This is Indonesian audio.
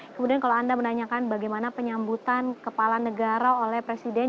kemudian kalau anda menanyakan bagaimana penyambutan kepala negara oleh presiden